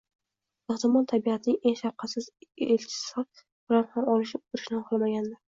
Ehtimol, tabiatning eng shafqatsiz elchisi bilan ham olishib o‘tirishni xohlamagandir.